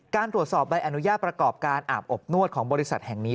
การตรวจสอบใบอนุญาตประกอบการอาบอบนวดของบริษัทแห่งนี้